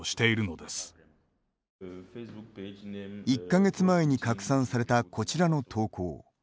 １か月前に拡散されたこちらの投稿。